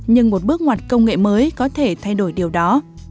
nhưng một bước ngoặt công nghệ mới có thể thay đổi điều đó